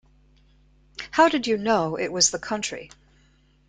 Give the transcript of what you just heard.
How did you know it was the country?